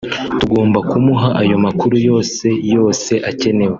tugomba kumuha ayo makuru yose yose akenewe